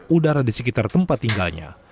udara di sekitar tempat tinggalnya